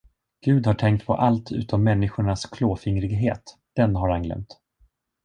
Gud har tänkt på allt utom människornas klåfingrighet, den har han glömt.